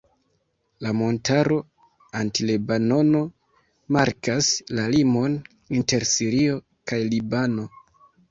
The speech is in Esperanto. La montaro Anti-Lebanono markas la limon inter Sirio kaj Libano.